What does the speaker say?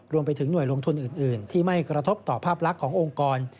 รวมไปถึงหน่วยลงทุนอื่นที่ไม่กระทบต่อภาพลักษณ์ขององค์กร